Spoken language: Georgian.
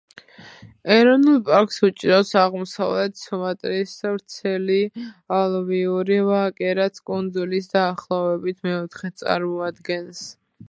ეროვნულ პარკს უჭირავს აღმოსავლეთ სუმატრის ვრცელი ალუვიური ვაკე, რაც კუნძულის დაახლოებით მეოთხედს წარმოადგენს.